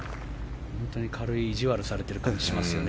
本当に軽い意地悪をされている感じがしますよね。